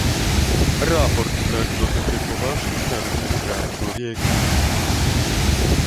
Raport ten dotyczy poważnych naruszeń praw człowieka